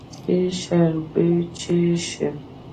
غرک کې مستې شاربو، چې شي